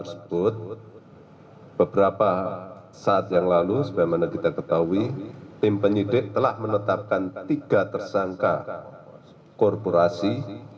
tersebut beberapa saat yang lalu sebagaimana kita ketahui tim penyidik telah menetapkan tiga tersangka korporasi